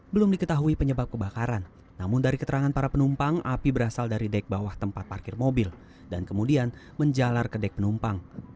belum diketahui penyebab kebakaran namun dari keterangan para penumpang api berasal dari dek bawah tempat parkir mobil dan kemudian menjalar ke dek penumpang